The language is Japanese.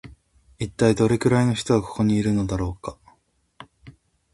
一体どれくらいの人がここのいるのだろうか